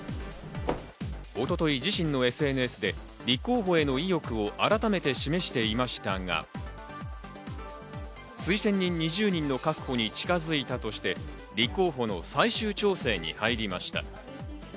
一昨日、自身のＳＮＳで立候補への意欲を改めて示していましたが、推薦人２０人の確保に近づいたとして、立候補の最終調整に入りました。